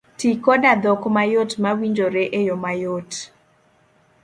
Tii koda dhok mayot mawinjore eyo mayot